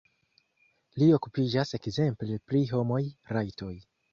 Li okupiĝas ekzemple pri homaj rajtoj.